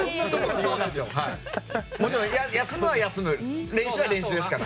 もちろん休むは休む練習は練習ですから。